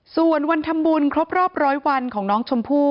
ส่วนวันทำบุญครบรอบร้อยวันของน้องชมพู่